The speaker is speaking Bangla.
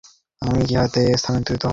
তিনি কায়রোতে স্থানান্তরিত হন।